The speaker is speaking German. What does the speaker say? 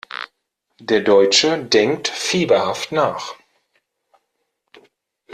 Der Deutsche denkt fieberhaft nach.